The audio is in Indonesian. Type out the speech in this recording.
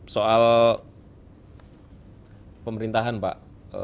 soal pemerintahan pak